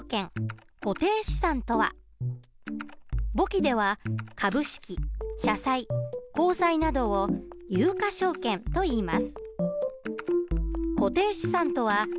簿記では株式社債公債などを有価証券といいます。